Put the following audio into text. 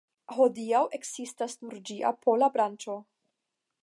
Hodiaŭ ekzistas nur ĝia pola branĉo.